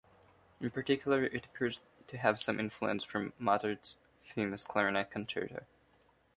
In particular, it appears to have some influence from Mozart's famous Clarinet Concerto.